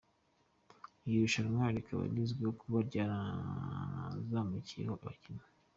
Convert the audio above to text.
Iri rushanwa rikaba rizwiho kuba ryarazamukiyemo abakinnyi.